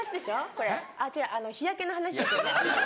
これあっ違う日焼けの話ですよね？